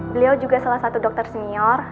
beliau juga salah satu dokter senior